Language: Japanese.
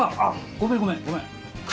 ごめん、ごめん、ごめん。